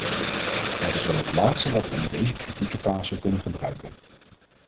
Dat is wel het laatste wat we in deze kritieke fase kunnen gebruiken.